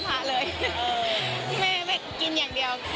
ไม่ไม่ไม่กินอย่างเดียว